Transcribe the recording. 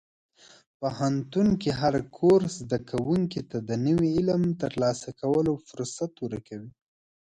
پوهنتون کې هر کورس زده کوونکي ته د نوي علم ترلاسه کولو فرصت ورکوي.